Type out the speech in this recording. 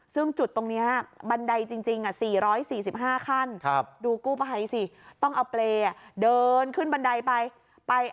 ซึ่งจุดตรงนี้บันไดจริง๔๔๕ขั้นดูกู้ภัยสิต้องเอาเปรย์เดินขึ้นบันไดไปไป